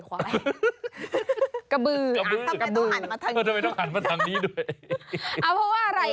ทำไมต้องหันมาทางนี้